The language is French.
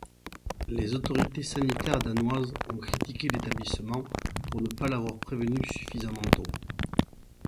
Les autorités sanitaires danoises ont critiqué l'établissement pour ne pas l'avoir prévenu suffisamment tôt.